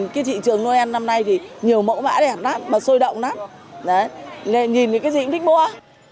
cái thị trường noel năm nay thì nhiều mẫu mã đẹp lắm mà sôi động lắm nhìn thì cái gì cũng thích mua